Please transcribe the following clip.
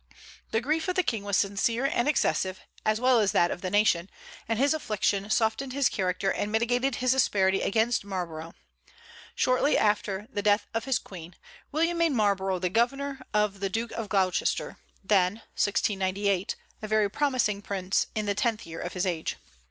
The grief of the King was sincere and excessive, as well as that of the nation, and his affliction softened his character and mitigated his asperity against Marlborough, Shortly after the death of his queen, William made Marlborough governor of the Duke of Gloucester, then (1698) a very promising prince, in the tenth year of his age.